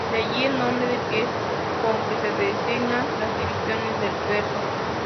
De allí el nombre de pies con que se designan las divisiones del verso.